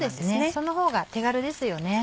その方が手軽ですよね。